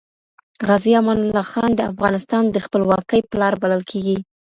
غازي امان الله خان د افغانستان د خپلواکۍ پلار بلل کیږي.